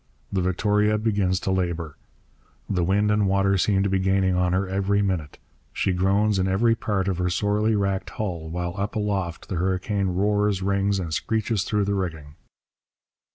The Victoria begins to labour. The wind and water seem to be gaining on her every minute. She groans in every part of her sorely racked hull; while up aloft the hurricane roars, rings, and screeches through the rigging.